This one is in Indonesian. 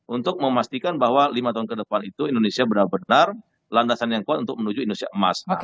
untuk memastikan bahwa lima tahun ke depan itu indonesia benar benar landasan yang kuat untuk menuju indonesia emas